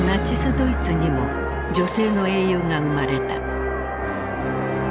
ドイツにも女性の英雄が生まれた。